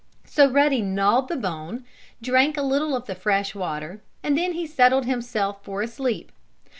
So Ruddy gnawed the bone, drank a little of the fresh water and then he settled himself for a sleep.